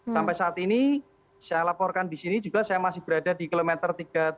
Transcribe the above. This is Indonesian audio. sampai saat ini saya laporkan di sini juga saya masih berada di kilometer tiga puluh tujuh